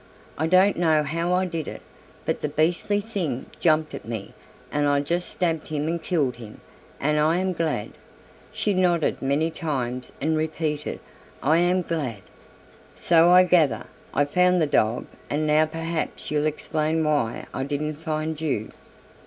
I don't know how I did it, but the beastly thing jumped at me and I just stabbed him and killed him, and I am glad," she nodded many times and repeated, "I am glad." "So I gather I found the dog and now perhaps you'll explain why I didn't find you?"